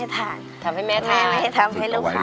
ทำให้แม่ทาน